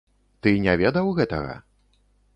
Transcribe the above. Ты не ведаў гэтага?